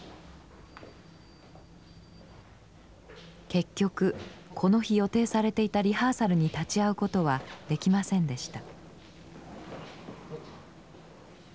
結局この日予定されていたリハーサルに立ち会うことはできませんでした。